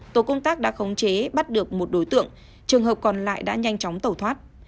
tổ công tác đã khống chế bắt được một đối tượng trường hợp còn lại đã nhanh chóng tẩu thoát